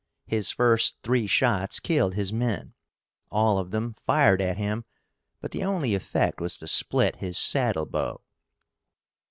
His first three shots killed his men. All of them fired at him, but the only effect was to split his saddle bow.